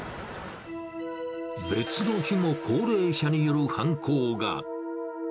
別の日も高齢者による犯行が。